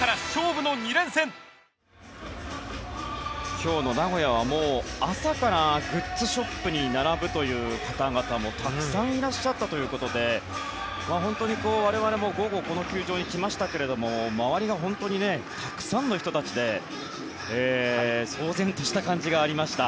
今日の名古屋は朝からグッズショップに並ぶという方々もたくさんいらっしゃったということで本当に我々も午後この球場に来ましたが周りが本当にたくさんの人たちで騒然とした感じがありました。